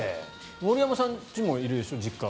森山さんの家もいるでしょ実家。